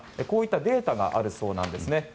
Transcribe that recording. こういったデータがあるそうなんですね。